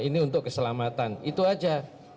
ini untuk keselamatan itu aja